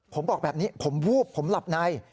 ผมบอกแบบนี้ผมวูบผมหลับใน